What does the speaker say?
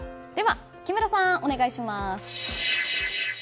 木村さん、お願いします。